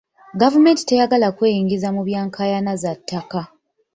Gavumenti teyagala kweyingiza mu bya nkaayana za ttaka.